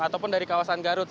ataupun dari kawasan garut